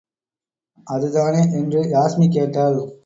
அதுதானே! என்று யாஸ்மி கேட்டாள்.